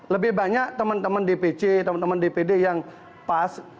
lebih banyak teman teman dpc teman teman dpd yang pas